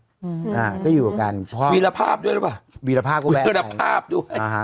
อือหืออ่าก็อยู่กันเพราะวีรภาพด้วยหรือเปล่าวีรภาพก็แวะวีรภาพด้วยอ่าฮะ